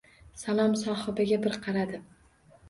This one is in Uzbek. Salom sohibiga bir qaradi.